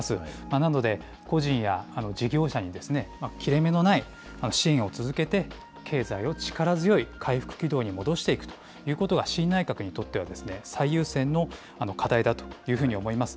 なので、個人や事業者にですね、切れ目のない支援を続けて、経済を力強い回復軌道に戻していくということが、新内閣にとっては最優先の課題だというふうに思います。